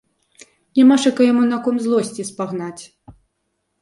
Нямашака яму на ком злосці спагнаць.